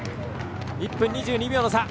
１分２２秒の差。